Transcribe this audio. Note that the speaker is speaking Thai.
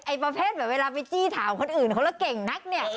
ประเภทแบบเวลาไปจี้ถามคนอื่นเขาแล้วเก่งนักเนี่ย